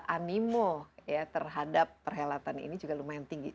animo ya terhadap perhelatan ini juga lumayan tinggi